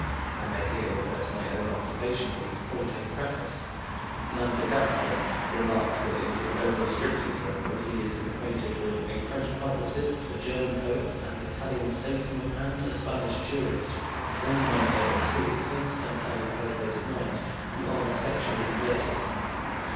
I may here refer to my own observations on this point in the preface. Mantegazza (Gli Amori degli Uomini) remarks that in his own restricted circle he is acquainted with "a French publicist, a German poet, an Italian statesman, and a Spanish jurist, all men of exquisite taste and highly cultivated mind," who are sexually inverted.